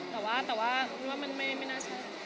แต่ว่ามันไม่น่าใช่